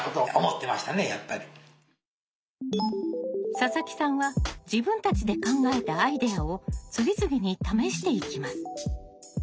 佐々木さんは自分たちで考えたアイデアを次々に試していきます。